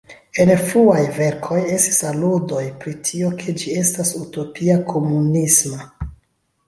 En fruaj verkoj estis aludoj pri tio, ke ĝi estas utopia-komunisma.